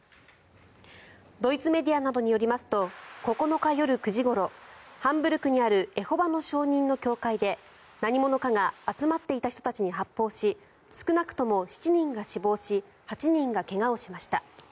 ドイツメディアなどによりますと９日夜９時ごろハンブルクにあるエホバの証人の教会で何者かが集まっていた人たちに発砲し少なくとも７人が死亡し８人が怪我をしました。